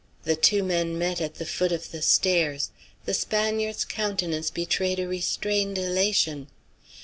The two men met at the foot of the stairs. The Spaniard's countenance betrayed a restrained elation.